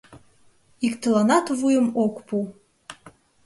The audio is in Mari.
Иктыланат вуйым ок пу.